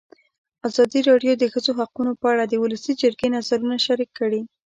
ازادي راډیو د د ښځو حقونه په اړه د ولسي جرګې نظرونه شریک کړي.